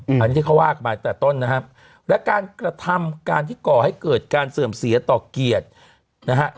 อันนี้ที่เขาว่ากันไปแต่ต้นนะครับและการกระทำการที่ก่อให้เกิดการเสื่อมเสียต่อเกียรตินะฮะ